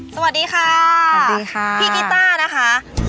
สวัสดีค่ะพี่กิต้านะคะ